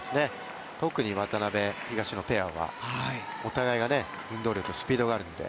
特に、渡辺・東野ペアはお互いに運動量とスピードがあるので。